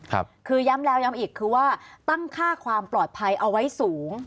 คือย้ำแล้วย้ำอีกคือว่าตั้งค่าความปลอดภัยเอาไว้สูง